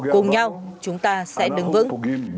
cùng nhau chúng ta sẽ đứng vững